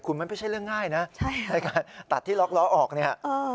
คุณมันไม่ใช่เรื่องง่ายนะในการตัดที่ล็อกล้อออกเนี่ย